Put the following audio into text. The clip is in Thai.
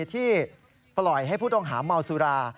ที่ปล่อยให้ผู้ต้องหาเมาสุรา